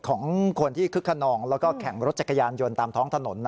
ของคนที่คึกขนองแล้วก็แข่งรถจักรยานยนต์ตามท้องถนน